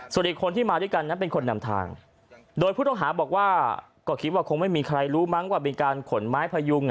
ส่วนอีกคนที่มาด้วยกันนั้นเป็นคนนำทางโดยผู้ต้องหาบอกว่าก็คิดว่าคงไม่มีใครรู้มั้งว่ามีการขนไม้พยุง